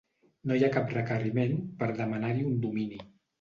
No hi ha cap requeriment per demanar-hi un domini.